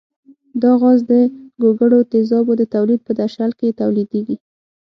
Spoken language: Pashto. دا غاز د ګوګړو تیزابو د تولید په درشل کې تولیدیږي.